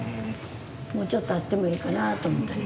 もうちょっとあってもええかなと思ったり。